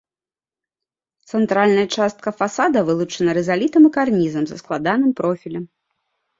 Цэнтральная частка фасада вылучана рызалітам і карнізам са складаным профілем.